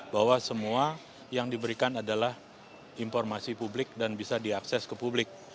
bahwa semua yang diberikan adalah informasi publik dan bisa diakses ke publik